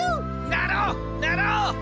なろうなろう！